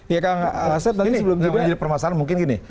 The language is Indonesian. ini kang ini permasalahan mungkin gini